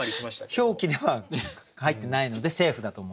表記では入ってないのでセーフだと思うんですけど。